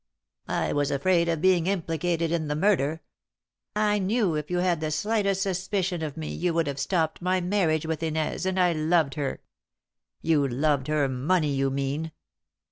"I was afraid of being implicated in the murder. I knew if you had the slightest suspicion of me you would have stopped my marriage with Inez, and I loved her." "You loved her money, you mean."